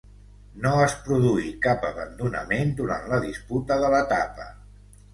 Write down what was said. No es produí cap abandonament durant la disputa de l'etapa.